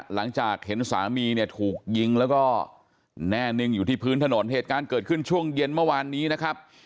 หลังจากเห็นสามีเนี่ยถูกยิงแล้วก็แน่นิ่งอยู่ที่พื้นถนนเหตุการณ์เกิดขึ้นช่วงเย็นเมื่อวานนี้นะครับ